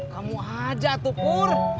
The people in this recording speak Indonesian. kamu aja tuh pur